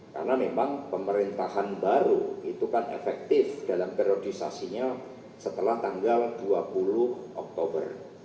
karena memang pemerintahan baru itu kan efektif dalam periodisasinya setelah tanggal dua puluh oktober